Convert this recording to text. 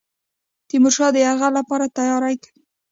تیمورشاه د یرغل لپاره تیاری کوي.